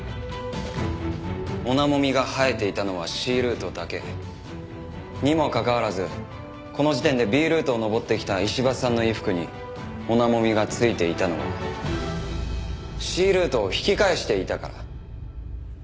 オナモミが生えていたのはＣルートだけ。にもかかわらずこの時点でＢルートを登ってきた石橋さんの衣服にオナモミがついていたのはＣルートを引き返していたから。